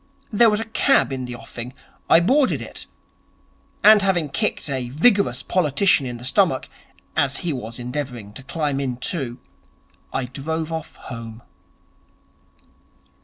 There was a cab in the offing. I boarded it. And, having kicked a vigorous politician in the stomach, as he was endeavouring to climb in too, I drove off home.'